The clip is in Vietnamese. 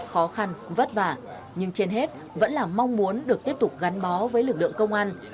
khó khăn vất vả nhưng trên hết vẫn là mong muốn được tiếp tục gắn bó với lực lượng công an